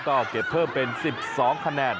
ก็เก็บเพิ่มเป็น๑๒คะแนน